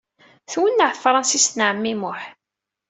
Twenneɛ tefransist n ɛemmi Muḥ.